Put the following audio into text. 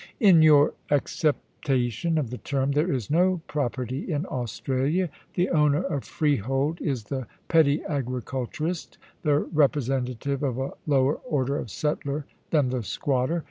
In your accep tation of the term, there is no property in Australia. The owner of freehold is the petty agriculturist, the representa tive of a lower order of settler than the squatter.